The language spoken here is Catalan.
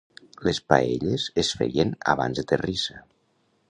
Les paelles es feien abans de terrissa.